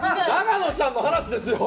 永野ちゃんの話ですよ！